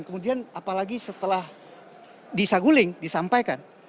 kemudian apalagi setelah disaguling disampaikan